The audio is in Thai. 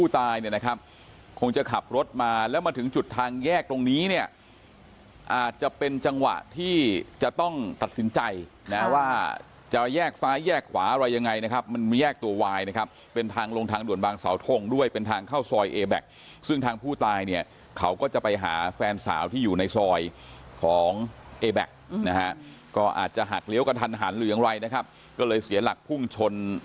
ตายเนี่ยนะครับคงจะขับรถมาแล้วมาถึงจุดทางแยกตรงนี้เนี่ยอาจจะเป็นจังหวะที่จะต้องตัดสินใจนะว่าจะแยกซ้ายแยกขวาอะไรยังไงนะครับมันแยกตัววายนะครับเป็นทางลงทางด่วนบางสาวทงด้วยเป็นทางเข้าซอยเอแบ็คซึ่งทางผู้ตายเนี่ยเขาก็จะไปหาแฟนสาวที่อยู่ในซอยของเอแบ็คนะฮะก็อาจจะหักเลี้ยวกระทันหันหรือยังไรนะครับก็เลยเสียหลักพุ่งชน